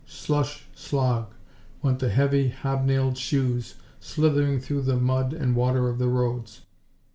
Slush, slog! went the heavy hobnailed shoes slithering through the mud and water of the roads.